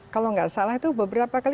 kalau nggak salah itu beberapa kali